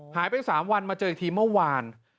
หายไป๓วันมาเจออีกทีเมื่อวาน